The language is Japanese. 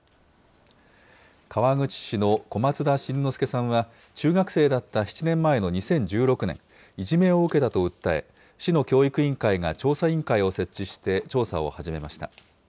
川口市の小松田辰乃輔さんは、中学生だった７年前の２０１６年、いじめを受けたと訴え、市の教育委員会が調査委員会を設置して、調査を始めました。